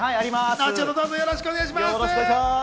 後ほど、よろしくお願いします。